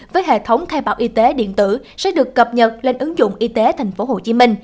với hệ thống khai báo y tế điện tử sẽ được cập nhật lên ứng dụng y tế tp hcm